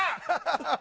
ハハハハ！